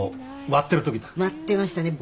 割ってましたね。